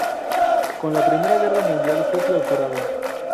Con la Primera Guerra Mundial fue clausurado.